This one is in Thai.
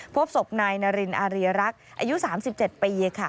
พบศพนายนารินอารีรักษ์อายุ๓๗ปีค่ะ